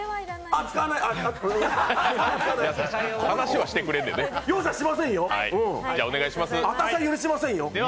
あたしゃ、許しませんよ。